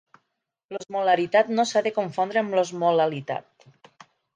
L'osmolaritat no s'ha de confondre amb l'osmolalitat.